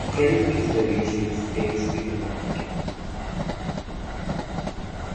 Credit history usually stays within one country.